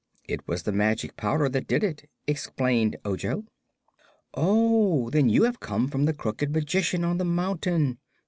"It was the Magic Powder that did it," explained Ojo. "Oh, then you have come from the Crooked Magician on the mountain.